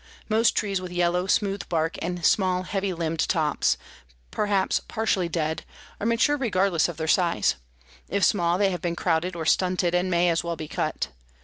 Most trees with yellow, smooth bark and small heavy limbed tops, perhaps partially dead, are mature regardless of their size. If small, they have been crowded or stunted and may as well be cut.